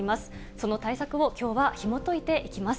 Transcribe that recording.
その対策をきょうはひもといていきます。